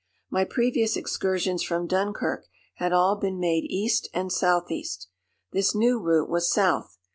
My previous excursions from Dunkirk had all been made east and southeast. This new route was south.